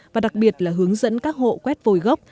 và đặc biệt là hướng dẫn các hộ quét vôi gốc